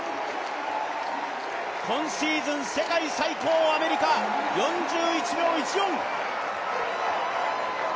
今シーズン、世界最高アメリカ４１秒１４！